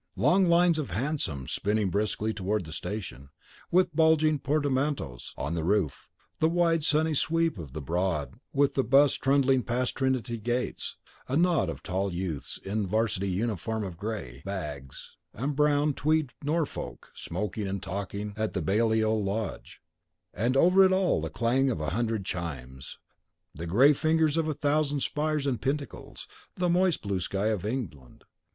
Long lines of hansoms spinning briskly toward the station, with bulging portmanteaus on the roof; the wide sunny sweep of the Broad with the 'bus trundling past Trinity gates; a knot of tall youths in the 'varsity uniform of gray "bags" and brown tweed norfolk, smoking and talking at the Balliol lodge and over it all the clang of a hundred chimes, the gray fingers of a thousand spires and pinnacles, the moist blue sky of England....